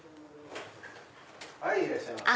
はいいらっしゃいませ。